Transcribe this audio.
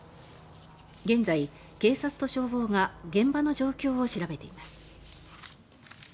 現在、警察と消防が現場の状況を調べています。